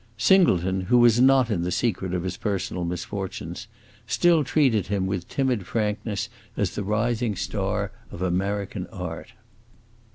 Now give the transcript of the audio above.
Singleton, who was not in the secret of his personal misfortunes, still treated him with timid frankness as the rising star of American art.